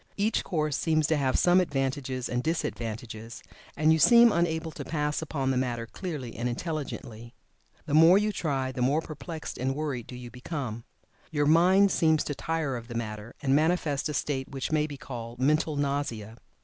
Each course seems to have advantages and disadvantages, and you seem unable to pass upon the matter clearly and intelligently. The more you try the more perplexed and worried do you become. Your mind seems to tire of the matter, and manifests a state which may be called "mental nausea."